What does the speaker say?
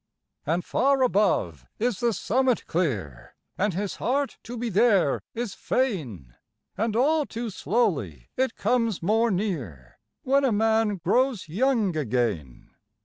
And far above is the summit clear, And his heart to be there is fain, And all too slowly it comes more near When a man grows young again.